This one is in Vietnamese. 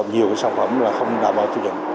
nhiều sản phẩm không đảm bảo tư dụng